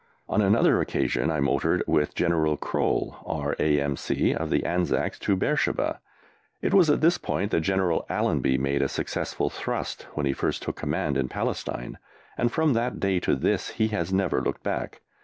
On another occasion I motored, with Colonel Croll, R.A.M.C., of the Anzacs, to Beersheba. It was at this point that General Allenby made a successful thrust when he first took command in Palestine, and from that day to this he has never looked back.